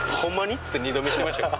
っつって二度見してましたよ。